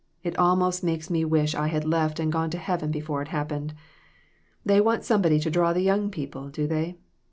" It almost makes me wish I had left and gone to heaven before it happened. They want somebody to draw the young people, do they